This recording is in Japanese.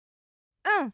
うん！